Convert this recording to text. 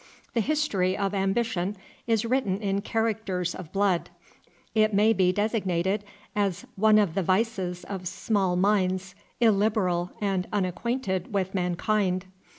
The history of ambition is written in characters of blood. It may be designated as one of the vices of small minds, illiberal and unacquainted with mankind.